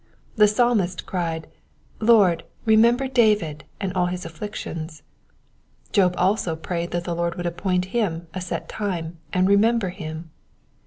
The Psalmist cried, Lord, remember David, and all his afflictions" : Job also E rayed that the Lord would appoint him a set time, and remember him.